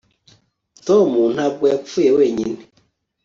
tom ntabwo yapfuye wenyine